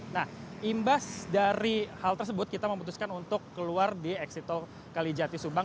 nah imbas dari hal tersebut kita memutuskan untuk keluar di eksitol kalijati subang